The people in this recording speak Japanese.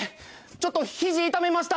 ちょっとひじいためました！